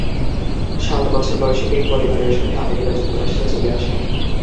সাত বছর বয়সে তিনি পরিবারের সাথে আমেরিকা যুক্তরাষ্ট্রে চলে আসেন।